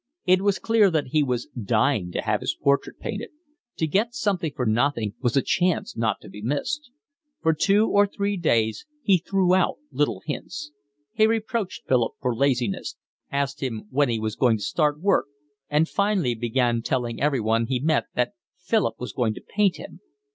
It was clear that he was dying to have his portrait painted. To get something for nothing was a chance not to be missed. For two or three days he threw out little hints. He reproached Philip for laziness, asked him when he was going to start work, and finally began telling everyone he met that Philip was going to paint him.